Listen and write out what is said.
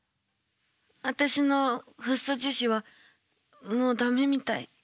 私のフッ素樹脂はもう駄目みたい。